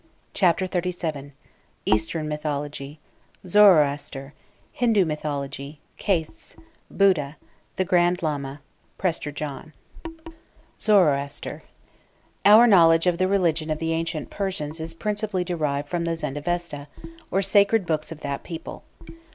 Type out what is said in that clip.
CHAPTER XXXVII EASTERN MYTHOLOGY ZOROASTER HINDU MYTHOLOGY CASTES BUDDHA GRAND LAMA ZOROASTER Our knowledge of the religion of the ancient Persians is principally derived from the Zendavesta, or sacred books of that people.